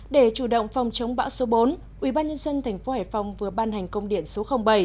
để chủ động phòng chống bão số bốn ubnd tp hải phòng vừa ban hành công điện số bảy